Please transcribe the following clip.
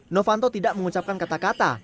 novanto tidak mengucapkan kata kata